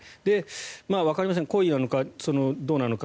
わかりません故意なのかどうなのか。